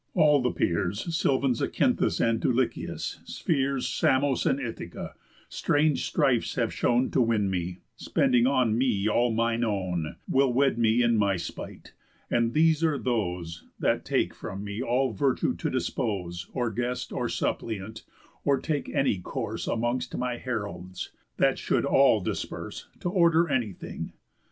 All the peers Sylvan Zacynthus, and Dulichius, spheres, Samos and Ithaca, strange strifes have shown To win me, spending on me all mine own; Will wed me, in my spite; and these are those That take from me all virtue to dispose Or guest or suppliant, or take any course Amongst my heralds, that should all disburse, To order anything.